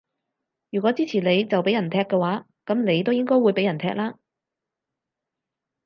如果支持你就畀人踢嘅話，噉你都應該會畀人踢啦